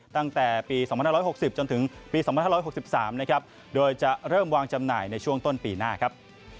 ตั้งแต่ปี๒๕๖๐จนถึงปี๒๕๖๓นะครับโดยจะเริ่มวางจำหน่ายในช่วงต้นปีหน้าครับ